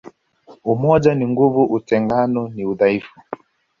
Umoja ni nguvu utengano ni udhaifu